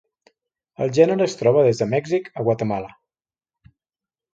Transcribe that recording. El gènere es troba des de Mèxic a Guatemala.